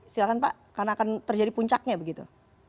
silahkan pak karena akan terjadi puncaknya begitu